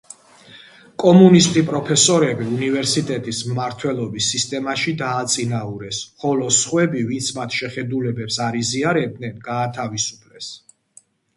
კომუნისტი პროფესორები უნივერსიტეტის მმართველობის სისტემაში დააწინაურეს, ხოლო სხვები ვინც მათ შეხედულებებს არ იზიარებდნენ, გაათავისუფლეს.